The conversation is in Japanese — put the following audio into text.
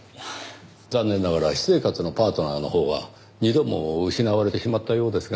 残念ながら私生活のパートナーのほうは２度も失われてしまったようですが。